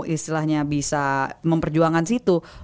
istilahnya bisa memperjuangkan situ